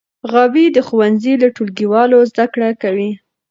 غابي د ښوونځي له ټولګیوالو زده کړې کوي.